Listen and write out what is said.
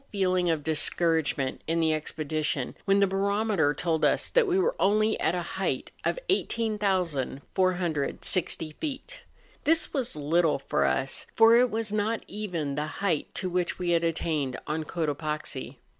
feeling of discouragement in the expedition when the barometer told us that we were only at a height of 18,460 feet. This was little for us, for it was not even the height to which we had attained on Cotopaxi.